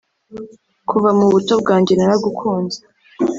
kuva mu buto bwanjye naragukunze